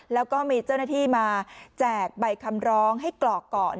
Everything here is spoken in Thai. แล้วก็มีเจ้าหน้าที่มาแจกใบคำร้องให้กรอกก่อน